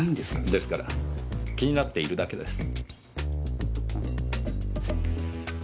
ですから気になっているだけです。